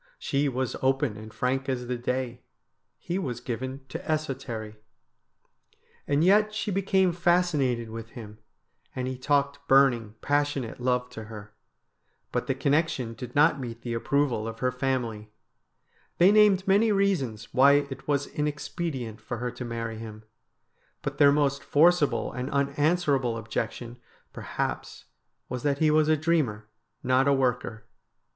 She was open and frank as the day, he was given to esotery. And yet she became fascinated with him, and he talked burning, passionate love to her. But the connection did not meet the approval of her family. They named many reasons why it was inexpedient for her to marry him, but their most forcible and unanswerable objection per haps was that he was a dreamer, not a worker.